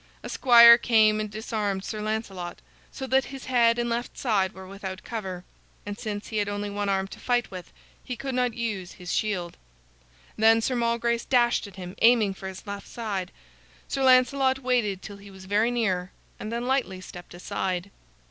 A squire came and disarmed Sir Lancelot, so that his head and left side were without cover; and since he had only one arm to fight with, he could not use his shield. Then Sir Malgrace dashed at him, aiming for his left side. Sir Lancelot waited till he was very near, and then lightly stepped aside.